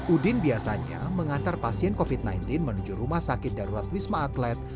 udin biasanya mengantar pasien covid sembilan belas menuju rumah sakit darurat wisma atlet